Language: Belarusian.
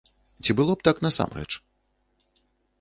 Ці было б так насамрэч?